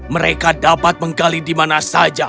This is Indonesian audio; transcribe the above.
mereka dapat menggali di mana saja